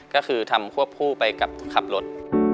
ก็คือทำควบคู่ไปกับขับรถ